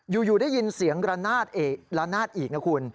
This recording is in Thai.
อยู่ได้ยินเสียงรานาธิ์อีกนะคุณ